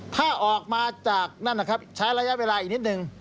ถ้าออกมาจากนั่นนะครับใช้ระยะเวลาอีกนิดนึง